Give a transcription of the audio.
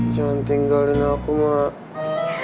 jangan tinggalin aku mak